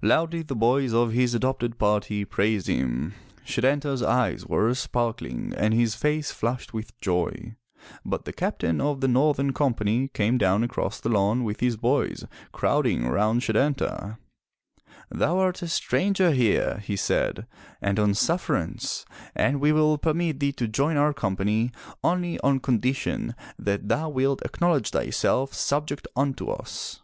Loudly the boys of his adopted party praised him. Setanta*s eyes were sparkling and his face flushed with joy. But the Captain of the northern company came down across the lawn with his boys crowding around Setanta. *Thou art a stranger here/' he said, "and on sufferance, and we will permit thee to join our company only on condition that thou wilt acknowledge thyself subject unto us.'